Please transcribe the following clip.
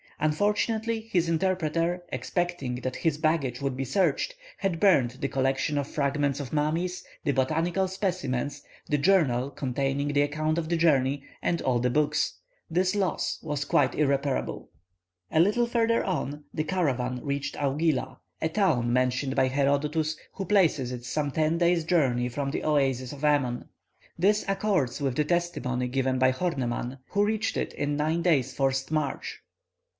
Unfortunately, his interpreter, expecting that his baggage would be searched, had burned the collection of fragments of mummies, the botanical specimens, the journal containing the account of the journey, and all the books. This loss was quite irreparable. A little further on, the caravan reached Augila, a town mentioned by Herodotus, who places it some ten days' journey from the oasis of Ammon. This accords with the testimony given by Horneman, who reached it in nine days' forced march.